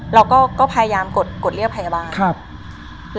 เราก็พยายามกดเรียกพยาบาล